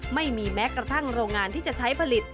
ไม่มีแม้กระทั่งโรงงานที่จะใช้ผลิต